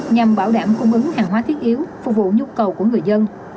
nhằm bảo đảm cung ứng hàng hóa thiết yếu phục vụ nhu cầu của người dân